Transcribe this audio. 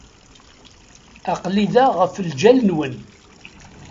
Aql-i da ɣef lǧal-nwen.